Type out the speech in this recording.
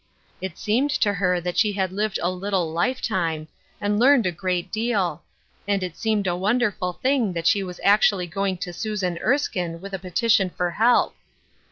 It seemed to her that she had lived a little life time, and learned a great deal, and it seemed a wonderful thing that she was actually going to Susan Erskine with a petition for help.